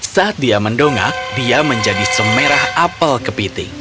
saat dia mendongak dia menjadi semerah apel kepiting